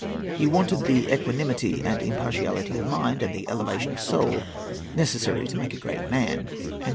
He wanted the equanimity and impartiality of mind, and the elevation of soul necessary to make a great man."